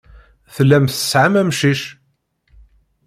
Tellam tesɛam amcic.